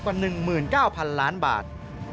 กว่า๑๙๐๐๐ล้านบาท